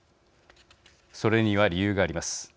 それには理由があります。